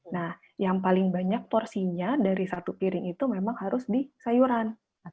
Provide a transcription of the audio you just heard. nah yang paling banyak porsinya dari satu piring itu memang harus di sayuran